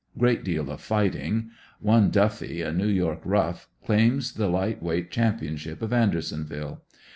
Great deal of fighting. One Duffy, a New York rough, claims the light weight championship of Andersonville.